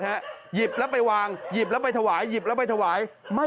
หยิบแล้วไปวางหยิบแล้วไปถวายหยิบแล้วไปถวายไม่